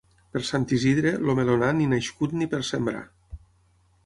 Per Sant Isidre, el melonar ni nascut ni per sembrar.